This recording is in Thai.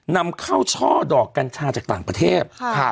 นำเข้าช่อดอกกัญชาจากต่างประเทศ